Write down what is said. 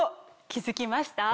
気付きました？